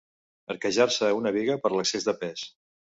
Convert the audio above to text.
Arquejar-se una biga per l'excés de pes.